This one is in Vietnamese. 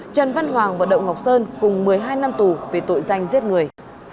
trần văn hoàng và đậu ngọc sơn cùng một mươi hai năm tù về tội danh giết người